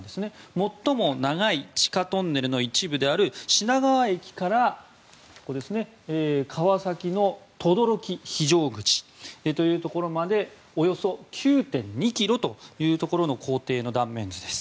最も長い地下トンネルの一部である品川駅から、川崎の等々力非常口というところまでおよそ９．２ｋｍというところの行程の断面図です。